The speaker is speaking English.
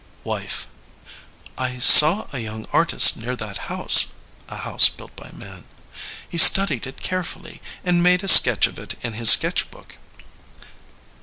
Wife. I saw a young artist near that house [a LEONID ANDREYEV 27 house built by Man]. He studied it carefully and made a sketch of it in his sketch book.